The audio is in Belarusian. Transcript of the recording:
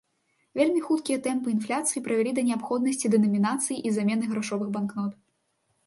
Вельмі хуткія тэмпы інфляцыі прывялі да неабходнасці дэнамінацыі і замены грашовых банкнот.